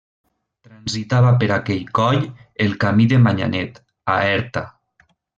Transitava per aquest coll el camí de Manyanet a Erta.